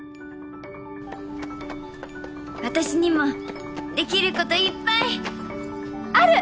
私にもできることいっぱいある！